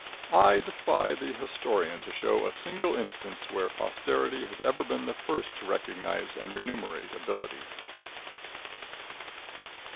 I defy the historian to show a single instance where posterity has ever been the first to recognize and remunerate ability.